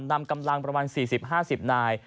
นำกำลังประมาณ๔๐๕๐นาย